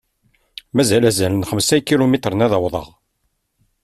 Mazal azal n xemsa n ikilumitren ad awḍeɣ.